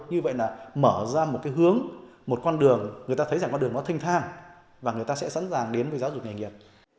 như vậy là mở ra một cái hướng một con đường người ta thấy rằng con đường nó thinh thang và người ta sẽ sẵn sàng đến với giáo dục nghề nghiệp